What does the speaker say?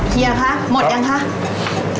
เอ่อเฮียคะหมดยังคะ